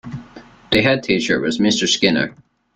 The Headteacher was Mr. Skinner.